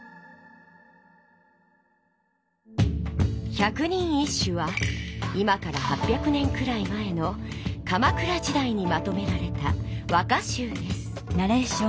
「百人一首」は今から８００年くらい前の鎌倉時代にまとめられた和歌集です。